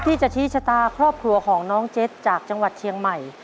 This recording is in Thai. ที่จะชี้ชะตาครอบครัวของน้องเจ็ดจากจังหวัดเชียงใหม่